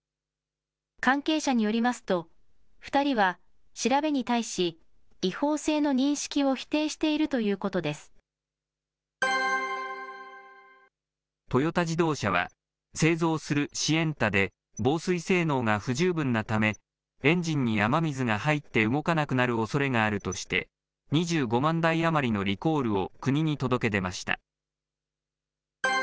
関係者によりますと、２人は調べに対し、違法性の認識を否定してトヨタ自動車は、製造するシエンタで、防水性能が不十分なため、エンジンに雨水が入って動かなくなるおそれがあるとして、２５万台余りのリコールを国に届け出ました。